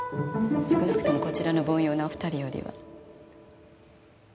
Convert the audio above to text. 少なくてもこちらの凡庸なお２人よりは。